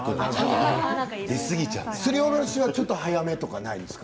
すりおろしはちょっと早めとかないんですか。